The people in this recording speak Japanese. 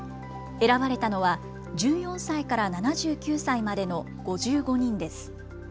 選ばれたのは１４歳から７９歳までの５５人です。